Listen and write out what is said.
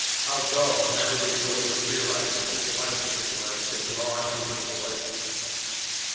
How dull never before to have realized that that likeness it was had drawn him to the boy.